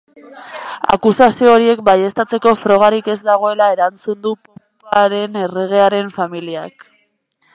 Akusazio horiek baieztatzeko frogarik ez dagoela erantzun du poparen erregearen familiak.